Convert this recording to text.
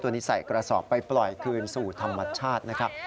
นี้ใส่กระสอบไปปล่อยคืนสู่ธรรมชาตินะครับ